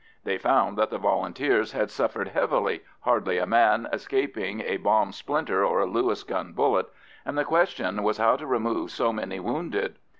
They found that the Volunteers had suffered heavily, hardly a man escaping a bomb splinter or a Lewis gun bullet, and the question was how to remove so many wounded.